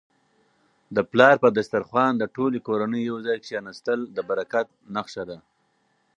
د پلار په دسترخوان د ټولې کورنی یو ځای کيناستل د برکت نښه ده.